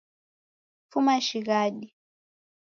Fuma shighadi